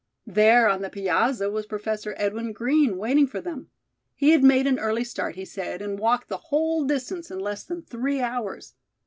There on the piazza was Professor Edwin Green waiting for them. He had made an early start, he said, and walked the whole distance in less than three hours.